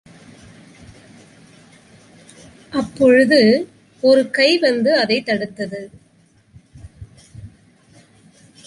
அப்பொழுது, ஒரு கை வந்து அதைத் தடுத்தது.